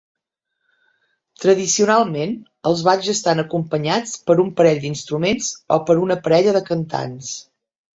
Tradicionalment, els balls estan acompanyats per un parell d'instruments o per una parella de cantants.